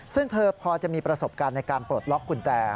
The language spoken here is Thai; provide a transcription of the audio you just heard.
ซึ่งเธอพอจะมีประสบการณ์ในการปลดล็อกกุญแจ